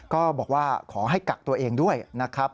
ก็บอกว่าขอให้กักตัวเองด้วยนะครับ